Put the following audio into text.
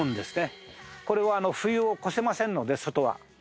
これは冬を越せませんので外は。